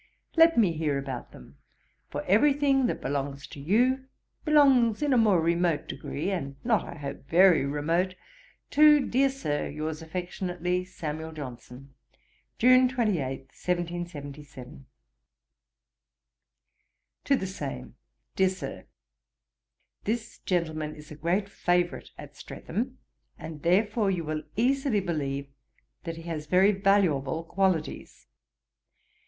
Let me hear about them; for every thing that belongs to you, belongs in a more remote degree, and not, I hope, very remote, to, dear Sir, 'Yours affectionately, 'SAM. JOHNSON.' 'June, 28, 1777.' TO THE SAME. 'DEAR SIR, 'This gentleman is a great favourite at Streatham, and therefore you will easily believe that he has very valuable qualities.